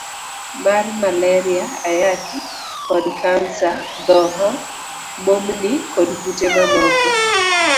C. mar Maleria, Ayaki, kod kansa D. Dhoho, momni, kod kute mamoko.